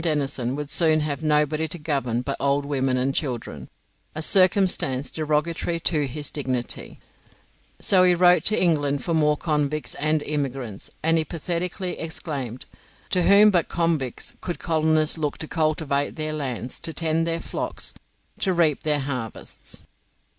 Denison would soon have nobody to govern but old women and children, a circumstance derogatory to his dignity, so he wrote to England for more convicts and immigrants, and he pathetically exclaimed, "To whom but convicts could colonists look to cultivate their lands, to tend their flocks, to reap their harvests?"